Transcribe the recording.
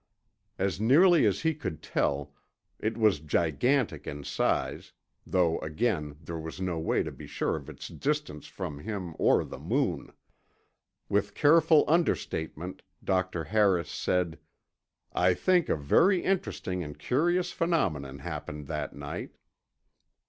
As nearly as he could tell, it was gigantic in size—though again there was no way to be sure of its distance from him or the moon. With careful understatement, Dr. Harris said, "I think a very interesting and curious phenomenon happened that night."